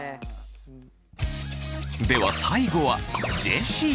では最後はジェシー。